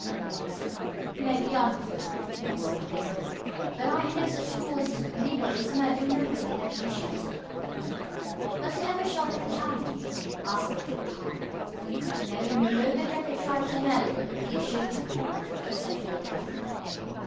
he asked. "Maybe I'm a fool," Gubb said bitterly, "but I ain't no such fool as to think anybody is murdering nobody with a pea shooter." "Was you ever shot with a cannon?" asked old Gabe calmly. "No, nor nobody ever tried to murder me with a pea shooter," said Philo Gubb.